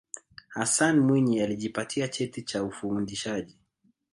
hassan mwinyi alijipatia cheti cha ufundishaji